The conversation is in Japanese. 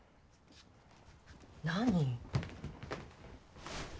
何？